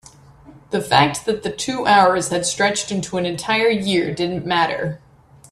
the fact that the two hours had stretched into an entire year didn't matter.